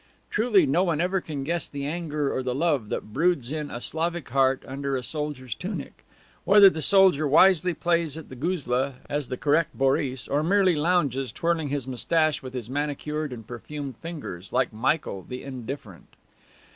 Truly, no one ever can guess the anger or the love that broods in a Slavic heart under a soldier's tunic, whether the soldier wisely plays at the guzla, as the correct Boris, or merely lounges, twirling his mustache with his manicured and perfumed fingers, like Michael, the indifferent.